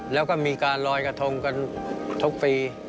แล้วก็มีการลอยกระทงกันทุกปี